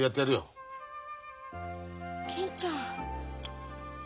銀ちゃん。